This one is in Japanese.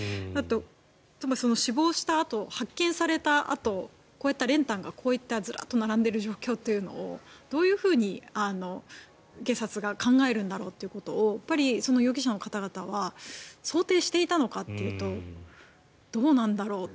例えば、その死亡したあと発見されたあと練炭がこうやってずらっと並んでる状況というのをどういうふうに警察が考えるんだろうということをその容疑者の方々は想定していたのかっていうとどうなんだろう。